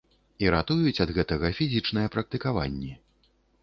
І ратуюць ад гэтага фізічныя практыкаванні.